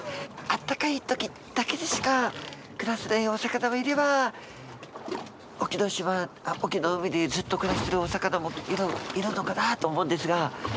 あったかいときだけにしか暮らせないお魚もいれば隠岐の海でずっと暮らしてるお魚もいるのかなと思うんですが。